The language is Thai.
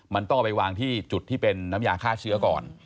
มันต้องเอาไปวางที่จุดที่เป็นน้ำยาฆ่าเชื้อก่อน